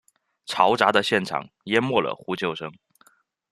嘈杂的现场淹没了呼救声。